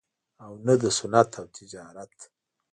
او نه دَصنعت او تجارت